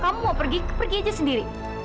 kamu mau pergi aja sendiri